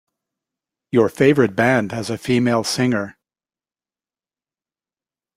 Your favorite band has a female singer.